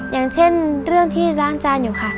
อย่างเช่นเรื่องที่ล้างจานอยู่ค่ะ